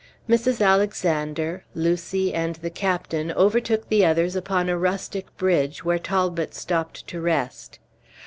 Mrs. Alexander, Lucy, and the captain overtook the others upon a rustic bridge, where Talbot stopped to rest.